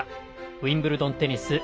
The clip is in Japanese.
ウィンブルドンテニス。